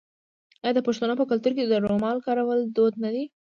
آیا د پښتنو په کلتور کې د رومال کارول دود نه دی؟